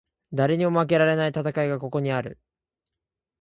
誰にも負けられない戦いがここにある